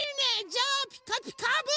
じゃあ「ピカピカブ！」